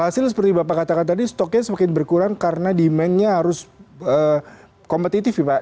hasil seperti bapak katakan tadi stoknya semakin berkurang karena demandnya harus kompetitif ya pak